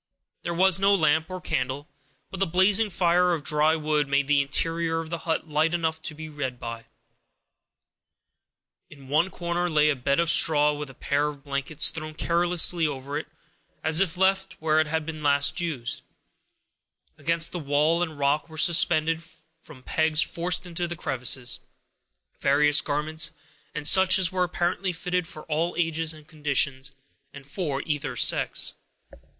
There was no lamp or candle, but the blazing fire of dry wood made the interior of the hut light enough to read by. In one corner lay a bed of straw, with a pair of blankets thrown carelessly over it, as if left where they had last been used. Against the walls and rock were suspended, from pegs forced into the crevices, various garments, and such as were apparently fitted for all ages and conditions, and for either sex.